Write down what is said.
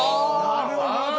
なるほど！